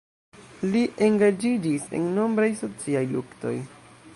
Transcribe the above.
Li engaĝiĝis en nombraj sociaj luktoj.